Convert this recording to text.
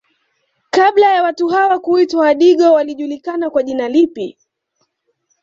Kabla ya watu hawa kuitwa wadigo walijulikana kwa jina lipi